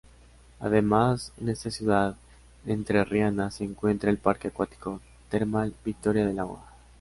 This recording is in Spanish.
Además en esta ciudad entrerriana se encuentra el parque acuático termal Victoria del Agua.